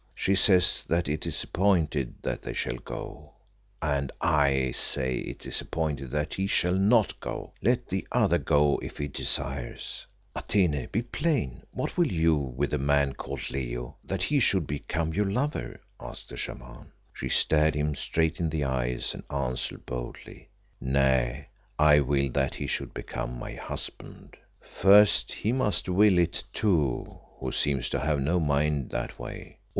She says that it is appointed that they shall go " "And I say it is appointed that he shall not go. Let the other go if he desires." "Atene, be plain, what will you with the man called Leo that he should become your lover?" asked the Shaman. She stared him straight in the eyes, and answered boldly "Nay, I will that he should become my husband." "First he must will it too, who seems to have no mind that way.